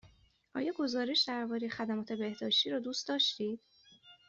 آیا گزارش درباره خدمات بهداشتی را دوست داشتید؟